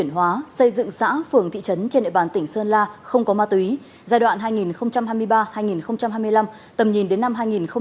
hơn hai ngày sau xây dựng xã phường thị trấn trên địa bản tỉnh sơn la không có ma túy giai đoạn hai nghìn hai mươi ba hai nghìn hai mươi năm tầm nhìn đến năm hai nghìn ba mươi